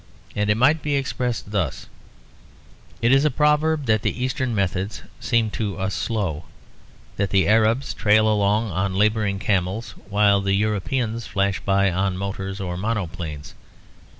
And it might be expressed thus; it is a proverb that the Eastern methods seem to us slow; that the Arabs trail along on labouring camels while the Europeans flash by on motors or mono planes.